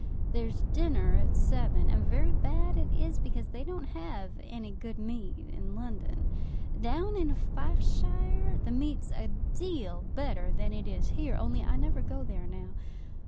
There's dinner at seven; and very bad it is, because they don't have any good meat in London. Down in Fifeshire the meat's a deal better than it is here, only I never go there now.